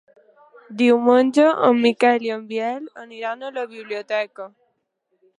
Diumenge en Miquel i en Biel aniran a la biblioteca.